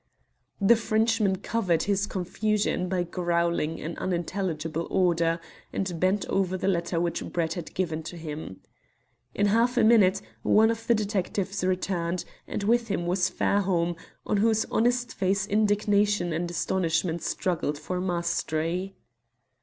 The Frenchman covered his confusion by growling an unintelligible order, and bent over the letter which Brett had given to him. In half a minute one of the detectives returned, and with him was Fairholme, on whose honest face indignation and astonishment struggled for mastery.